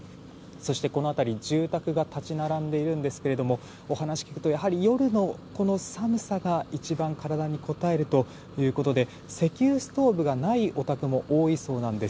そして、この辺り住宅が立ち並んでいるんですがお話を聞くとやはり夜の、この寒さが一番体にこたえるということで石油ストーブがないお宅も多いそうなんです。